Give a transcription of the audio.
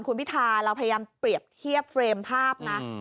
คุณพิธาเราพยายามเปรียบเทียบเฟรมภาพนะ